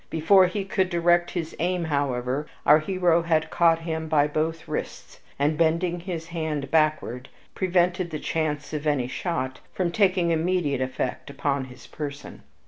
Before he could direct his aim, however, our hero had caught him by both wrists, and, bending his hand backward, prevented the chance of any shot from taking immediate effect upon his person.